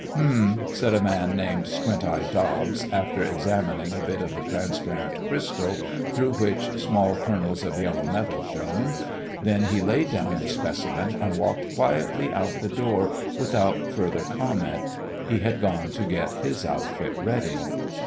"Hum," said a man named Squint eye Dobs, after examining a bit of the transparent crystal through which small kernels of yellow metal shone. Then he laid down the specimen, and walked quietly out the door without further comment. He had gone to get his outfit ready.